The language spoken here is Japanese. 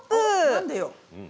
何でよ。